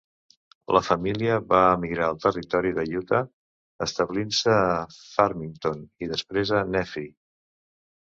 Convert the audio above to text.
La família va emigrar al territori d'Utah, establint-se a Farmington i després a Nephi.